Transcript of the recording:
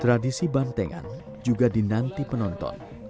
tradisi bantengan juga dinanti penonton